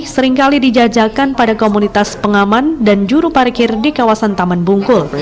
seringkali dijajakan pada komunitas pengaman dan juru parkir di kawasan taman bungkul